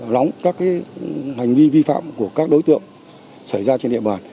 đóng các cái hành vi vi phạm của các đối tượng xảy ra trên địa bàn